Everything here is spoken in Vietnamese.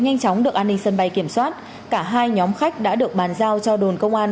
nhanh chóng được an ninh sân bay kiểm soát cả hai nhóm khách đã được bàn giao cho đồn công an